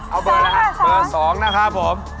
เอาเบอร์๒นะครับผม